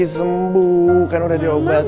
udah disembuhkan udah diobati